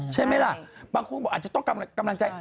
ใช่ไหมล่ะบางคนบอกอาจจะต้องกำลังใจ